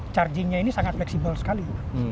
charging nya ini sangat fleksibel sekali